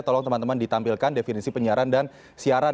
tolong teman teman ditampilkan definisi penyiaran dan siaran